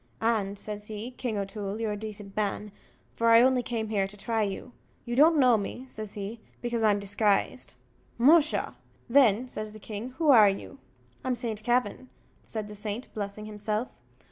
"And," says he, "King O'Toole, you're a decent man, for I only came here to try you. You don't know me," says he, "because I'm disguised." "Musha! then," says the king, "who are you?" "I'm Saint Kavin," said the saint, blessing himself.